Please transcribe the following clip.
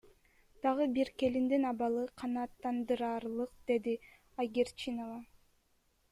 Дагы бир келиндин абалы канаттандыраарлык, — деди Айгерчинова.